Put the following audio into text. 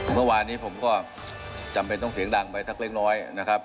เมื่อวานนี้ผมก็จำเป็นต้องเสียงดังไปสักเล็กน้อยนะครับ